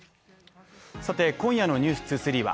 今夜の「ｎｅｗｓ２３」は